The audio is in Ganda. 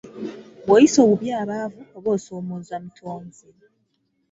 Bw'oyisa obubi abaavu, oba osoomooza Mutonzi.